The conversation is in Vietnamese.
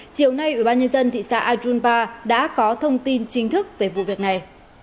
chiều nay ủy ban nhân dân thị xã ajunpa đã có thông tin chính thức về vụ việc này